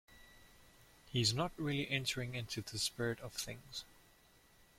He's not really entering into the spirit of things.